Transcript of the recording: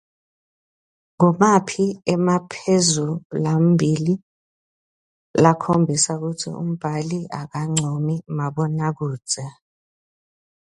Ngumaphi emaphuzu lamabili lakhombisa kutsi umbhali akamncomi mabonakudze?